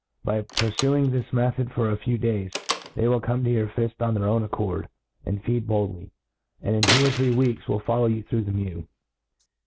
JBy purfuing this method for a few days, they will come to your fift of thdr own ac . cord, and feed boldly, and in two or three wed:s will follow you through the mew.